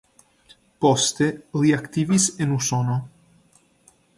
Poste li aktivis en Usono.